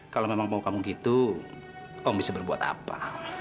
kalau memang mau kamu gitu om bisa berbuat apa